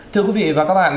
thưa quý vị và các bạn